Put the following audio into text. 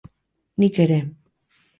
Nik ere.